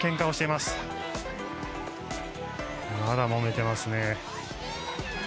まだもめてますね。